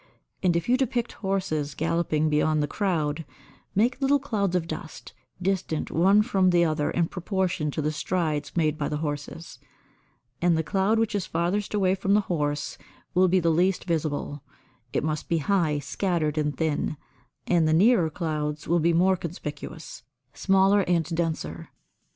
And if you depict horses galloping beyond the crowd, make little clouds of dust, distant one from the other in proportion to the strides made by the horses, and the cloud which is farthest away from the horse will be the least visible; it must be high, scattered and thin, and the nearer clouds will be more conspicuous, smaller and denser.